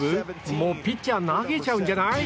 もうピッチャー投げちゃうんじゃない？